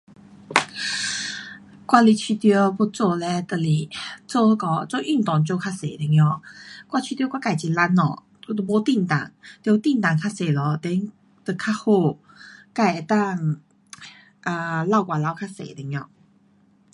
我是觉得要做嘞就是，做那个做运动做较多一点，我觉得我自很懒惰，都没活动，得活动较多了，then 就较好。自能够啊流汗流较多点儿。